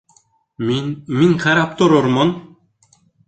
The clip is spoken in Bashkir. Мин, мин ҡарап торормон!